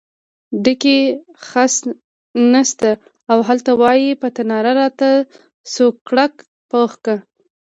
ډکی خس نشته او هلته وایې په تناره راته سوکړک پخ کړه.